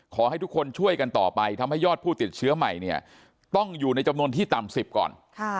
ขอให้ทุกคนช่วยกันต่อไปทำให้ยอดผู้ติดเชื้อใหม่เนี่ยต้องอยู่ในจำนวนที่ต่ำ๑๐ก่อน